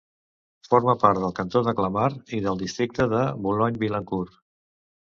Forma part del cantó de Clamart i del districte de Boulogne-Billancourt.